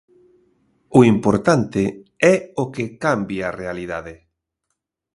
O importante é o que cambia a realidade.